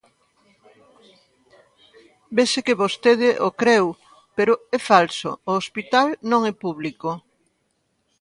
Vese que vostede o creu, pero é falso, o hospital non é público.